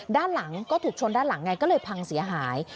ด้านหลังก็ถูกชนด้านหลังไงก็เลยพังเสียหาย